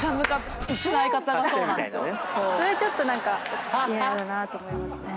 それちょっと何か嫌だなと思いますね。